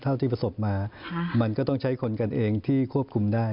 ที่ประสบมามันก็ต้องใช้คนกันเองที่ควบคุมได้